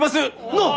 のう？